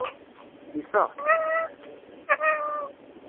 Ifeɣ-t.